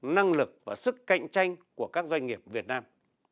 năng lực và sức cạnh tranh của các doanh nghiệp việt nam